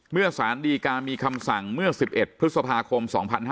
เมื่อสารดีกามีคำสั่งเมื่อ๑๑พฤษภาคม๒๕๕๙